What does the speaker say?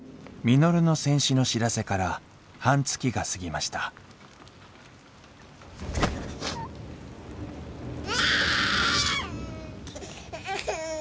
稔の戦死の知らせから半月が過ぎましたうっ。